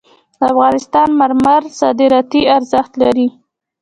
د افغانستان مرمر صادراتي ارزښت لري